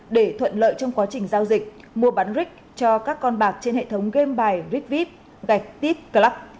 để thuận lợi trong quá trình giao dịch mua bán rick cho các con bạc trên hệ thống game bài ritvip gạch tip club